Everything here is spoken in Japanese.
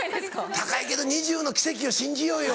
高いけど２０％の奇跡を信じようよ。